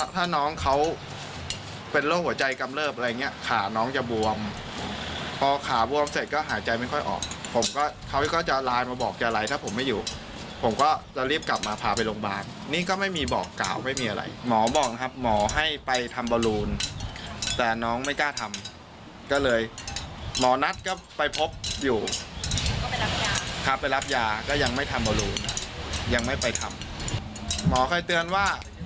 ถ้าน้องเขาเป็นโรคหัวใจกำเริบอะไรอย่างเงี้ขาน้องจะบวมพอขาบวมเสร็จก็หายใจไม่ค่อยออกผมก็เขาก็จะไลน์มาบอกจะอะไรถ้าผมไม่อยู่ผมก็จะรีบกลับมาพาไปโรงพยาบาลนี่ก็ไม่มีบอกกล่าวไม่มีอะไรหมอบอกนะครับหมอให้ไปทำบอลลูนแต่น้องไม่กล้าทำก็เลยหมอนัทก็ไปพบอยู่ครับไปรับยาก็ยังไม่ทำบอรูนยังไม่ไปทำหมอค่อยเตือนว่า